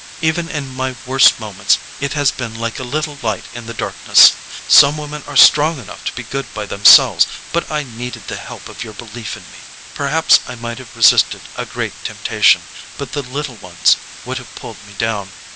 Even in my worst moments it has been like a little light in the darkness. Some women are strong enough to be good by themselves, but I needed the help of your belief in me. Perhaps I might have resisted a great temptation, but the little ones would have pulled me down.